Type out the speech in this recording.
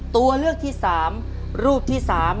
ตัวเลือกที่สามรูปที่สาม